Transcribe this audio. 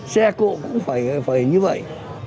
xe cộ cũng phải như vậy